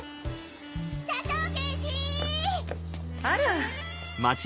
あら？